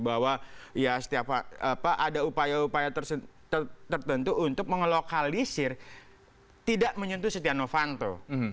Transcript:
bahwa ya setiap ada upaya upaya tertentu untuk mengelokalisir tidak menyentuh setia novanto